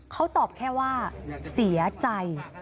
เขาตอบแค่ว่าเสียใจ